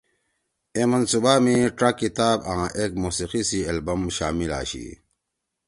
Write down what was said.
اے منصوبہ می ڇا کتاب آں ایک موسیقی سی ایلبم شامل آشی۔